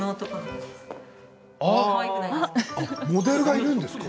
あっモデルがいるんですか？